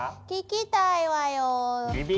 聞きたいわよ。